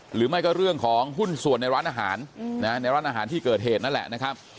หรือไม่ก็เรื่องของหุ้นส่วนในร้านอาหารในร้านอาหารที่เกิดเหตุนั่นแหละนะครับ